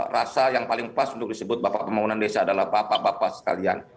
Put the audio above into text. rasa yang paling pas untuk disebut bapak pembangunan desa adalah bapak bapak sekalian